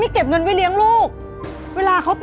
นี่ข้าวไม่มีจะกินอยู่แล้ว